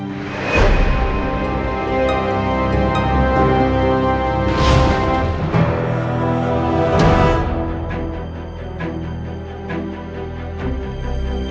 gita orang yang bernyata